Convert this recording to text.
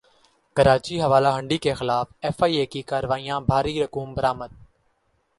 کراچی حوالہ ہنڈی کیخلاف ایف ائی اے کی کارروائیاں بھاری رقوم برامد